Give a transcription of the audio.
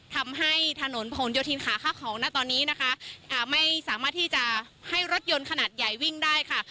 ทำให้ถนนผนโยธินขาข้าวของนะตอนนี้นะคะไม่สามารถที่จะให้รถยนต์ขนาดใหญ่วิ่งได้ค่ะ